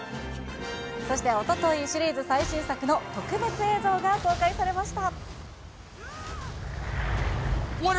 そしておととい、シリーズ最新作の特別映像が公開されました。